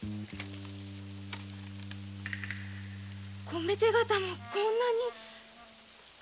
米手形もこんなに。